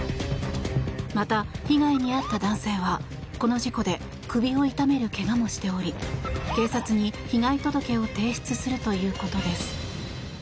また、被害に遭った男性はこの事故で首を痛めるけがもしており警察に被害届を提出するということです。